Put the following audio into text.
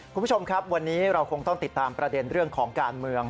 คุณผู้ชมครับวันนี้เราคงต้องติดตามประเด็นเรื่องของการเมือง